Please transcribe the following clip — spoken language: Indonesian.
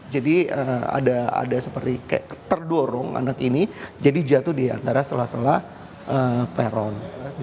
jadi ada seperti terdorong anak ini jadi jatuh di antara celah celah peron